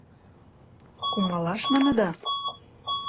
— Кумалаш, маныда?..